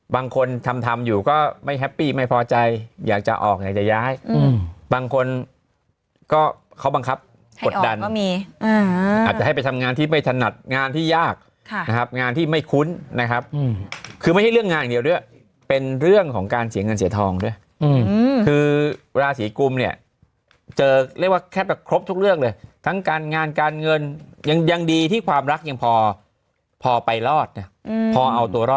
บางคนทำทำอยู่ก็ไม่แฮปปี้ไม่พอใจอยากจะออกอยากจะย้ายบางคนก็เขาบังคับกดดันก็มีอาจจะให้ไปทำงานที่ไม่ถนัดงานที่ยากนะครับงานที่ไม่คุ้นนะครับคือไม่ใช่เรื่องงานอย่างเดียวด้วยเป็นเรื่องของการเสียเงินเสียทองด้วยคือราศีกุมเนี่ยเจอเรียกว่าแค่แบบครบทุกเรื่องเลยทั้งการงานการเงินยังดีที่ความรักยังพอพอไปรอดนะพอเอาตัวรอด